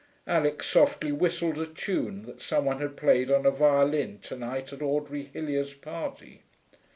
Alix softly whistled a tune that some one had played on a violin to night at Audrey Hillier's party.